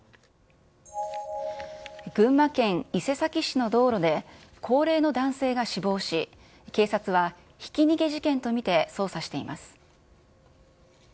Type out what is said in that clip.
群馬県伊勢崎市の道路で高齢の男性が死亡し、警察はひき逃げ事件と見て捜査しています。